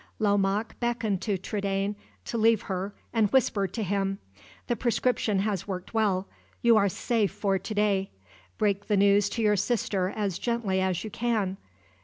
Lomaque beckoned to Trudaine to leave her, and whispered to him: "The prescription has worked well. You are safe for to day. Break the news to your sister as gently as you can.